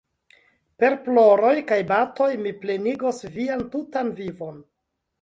Per ploroj kaj batoj mi plenigos vian tutan vivon!